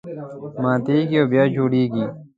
ماتېږي او بیا جوړېږي.